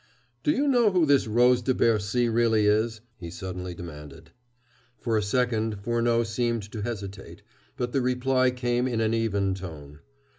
"Do you know who this Rose de Bercy really is?" he suddenly demanded. For a second Furneaux seemed to hesitate, but the reply came in an even tone.